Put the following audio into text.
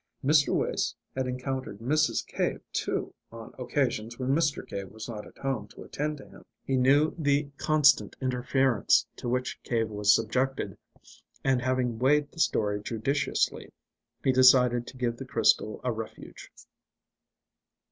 Mr. Wace had encountered Mrs. Cave, too, on occasions when Mr. Cave was not at home to attend to him. He knew the constant interference to which Cave was subjected, and having weighed the story judicially, he decided to give the crystal a refuge.